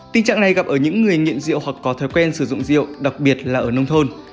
tình trạng này gặp ở những người nghiện rượu hoặc có thói quen sử dụng rượu đặc biệt là ở nông thôn